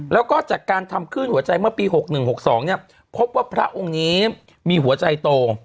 แล้วก็จากการทำคลื่นหัวใจเมื่อปี๖๑๖๒พบว่าพระองค์นี้มีหัวใจโต